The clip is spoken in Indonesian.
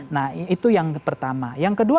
nah itu yang pertama yang kedua